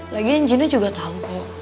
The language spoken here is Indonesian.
lagian jinu juga tau kok